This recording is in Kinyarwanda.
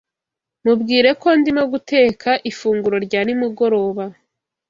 Mubwire ko ndimo guteka ifunguro rya nimugoroba.